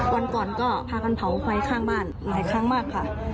วันก่อนก็พากันเผาไฟข้างบ้านหลายครั้งมากค่ะ